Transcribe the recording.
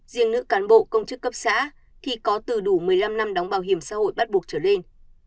riêng nữ cán bộ công chức cấp xã thì có từ đủ một mươi năm năm đóng bảo hiểm xã hội bắt buộc trở lên